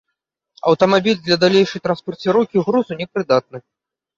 Аўтамабіль для далейшай транспарціроўкі грузу непрыдатны.